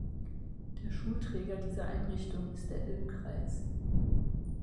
Der Schulträger dieser Einrichtung ist der Ilm-Kreis.